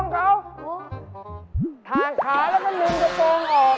ขาแล้วก็หนุงกระโปรงออก